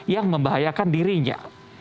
yang membahayakan dirinya